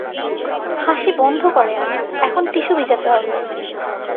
হাসি বন্ধ করেন, এখন টিস্যু ভিজাতে হবে।